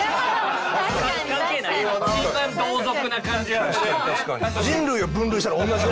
一番同族な感じはする。